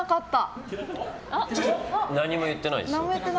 何も言ってないです。